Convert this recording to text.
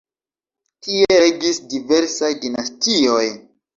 Tie regis diversaj dinastioj.